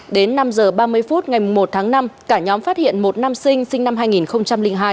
đến năm h ba mươi phút ngày một tháng năm cả nhóm phát hiện một nam sinh năm hai nghìn hai